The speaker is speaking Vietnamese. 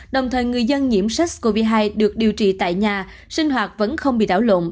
đồng thời người dân nhiễm sars cov hai được điều trị tại nhà sinh hoạt vẫn không bị đảo lộn